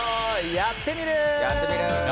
「やってみる。」。